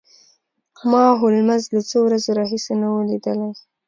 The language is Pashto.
ما هولمز له څو ورځو راهیسې نه و لیدلی